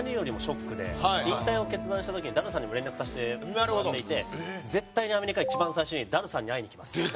引退を決断した時にダルさんにも連絡させてもらっていて絶対にアメリカで一番最初にダルさんに会いに行きますと。